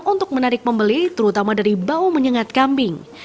yang menarik membeli terutama dari bau menyengat kambing